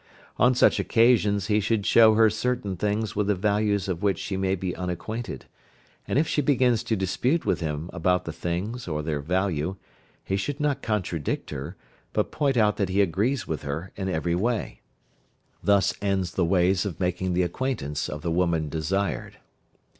On such occasions he should show her certain things with the values of which she may be unacquainted, and if she begins to dispute with him about the things or their value, he should not contradict her, but point out that he agrees with her in every way. Thus ends the ways of making the acquaintance of the woman desired.